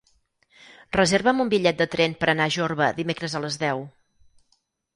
Reserva'm un bitllet de tren per anar a Jorba dimecres a les deu.